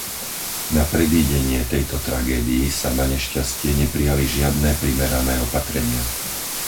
Na predídenie tejto tragédii sa, nanešťastie, neprijali žiadne primerané opatrenia.